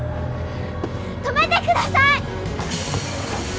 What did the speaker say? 止めてください！